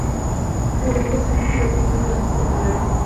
Por ello se han convertido en cantos populares.